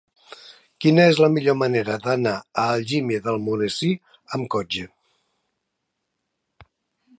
Quina és la millor manera d'anar a Algímia d'Almonesir amb cotxe?